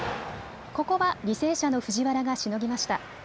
ここは履正社の藤原がしのぎました。